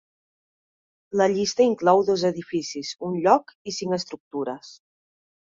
La llista inclou dos edificis, un lloc, i cinc estructures.